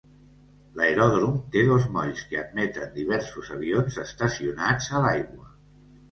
L'aeròdrom té dos molls que admeten diversos avions estacionats a l'aigua.